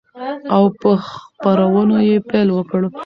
او په خپرونو يې پيل وكړ،